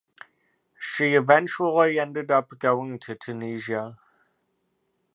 She eventually ended up going to Tunisia.